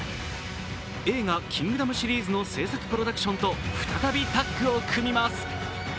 映画「キングダム」シリーズの制作プロダクションと再びタッグを組みます。